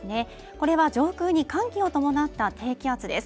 これは上空に寒気を伴った低気圧です